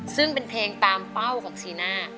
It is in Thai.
ซึ่งเป็นเพลงตามเป้าของชีน่า